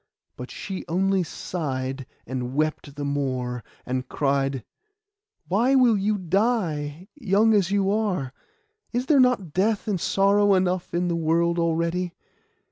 But she only sighed, and wept the more, and cried— 'Why will you die, young as you are? Is there not death and sorrow enough in the world already?